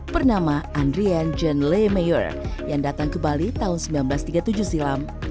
bernama andrian john lee mayor yang datang ke bali tahun seribu sembilan ratus tiga puluh tujuh silam